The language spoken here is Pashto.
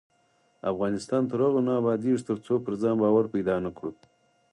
افغانستان تر هغو نه ابادیږي، ترڅو پر ځان باور پیدا نکړو.